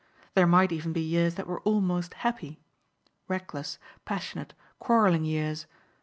There might even be years that were almost happy; reckless, passionate, quarrelling years.